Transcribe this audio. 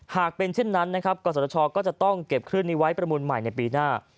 หากเป็นเช่นนั้นนะครับกศชก็จะต้องเก็บคลื่นนี้ไว้ประมูลใหม่ในปีหน้า